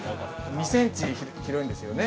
２センチ広いんですよね。